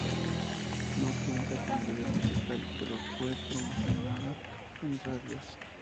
No cuenta con video musical pero fue promocionada en radios.